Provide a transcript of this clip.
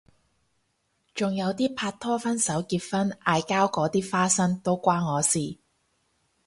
仲有啲拍拖分手結婚嗌交嗰啲花生都關我事